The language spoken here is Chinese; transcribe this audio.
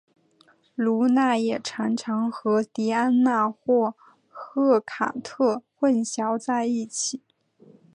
卢娜也常常和狄安娜或赫卡忒混淆在一起。